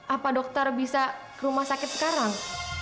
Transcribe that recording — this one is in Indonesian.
apa dokter bisa ke rumah sakit sekarang